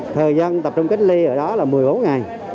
thời gian tập trung cách ly ở đó là một mươi bốn ngày